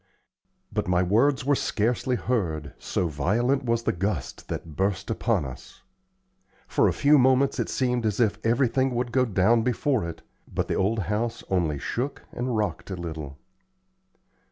But my words were scarcely heard, so violent was the gust that burst upon us. For a few moments it seemed as if everything would go down before it, but the old house only shook and rocked a little.